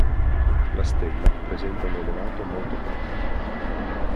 La stella presenta un elevato moto proprio.